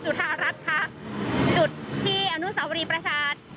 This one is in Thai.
จุดที่อานุสารวรีประชาติ